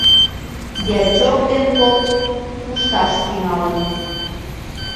Дьячок ден поп кушташ тӱҥалыт.